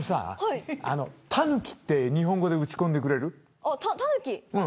タヌキって日本語で打ち込んでくれる。